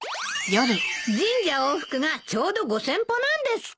神社往復がちょうど５，０００歩なんですって。